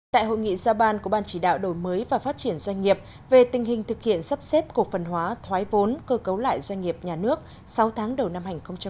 tại hội nghị ra ban của ban chỉ đạo đổi mới và phát triển doanh nghiệp về tình hình thực hiện sắp xếp cổ phần hóa thoái vốn cơ cấu lại doanh nghiệp nhà nước sáu tháng đầu năm hai nghìn hai mươi